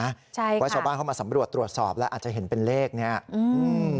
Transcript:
ใช่ว่าชาวบ้านเข้ามาสำรวจตรวจสอบแล้วอาจจะเห็นเป็นเลขเนี้ยอืม